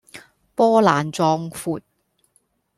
波瀾壯闊